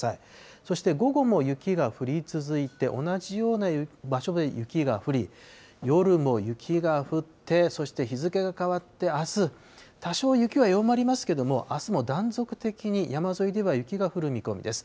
そして午後も雪が降り続いて、同じような場所で雪が降り、夜も雪が降って、そして日付が変わってあす、多少雪は弱まりますけれども、あすも断続的に山沿いでは雪が降る見込みです。